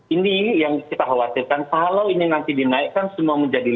ini yang kita khawatirkan kalau ini nanti dinaikkan semua menjadi lima puluh